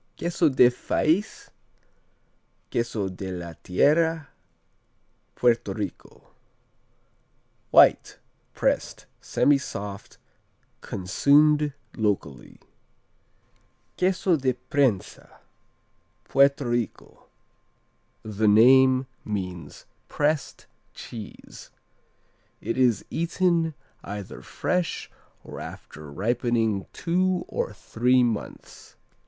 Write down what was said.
Queso del Fais, Queso de la Tierra Puerto Rico White; pressed; semisoft Consumed locally, Queso de Prensa Puerto Rico The name means pressed cheese. It is eaten either fresh or after ripening two or three months.